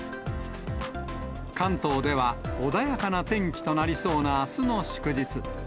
関東では穏やかな天気となりそうな、あすの祝日。